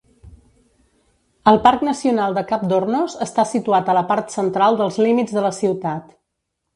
El Parc Nacional de Cap d"Hornos està situat a la part central dels límits de la ciutat.